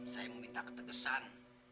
saya meminta ketegasan